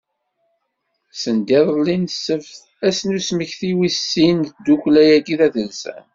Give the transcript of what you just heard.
Sendiḍelli n ssebt, ass n usmekti wis sin n tiddukkla-agi tadelsant.